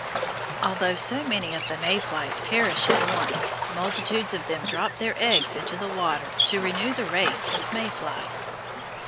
Although so many of the May flies perish at once, multitudes of them drop their eggs into the water to renew the race of May flies.